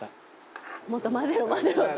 「もっと混ぜろ混ぜろと。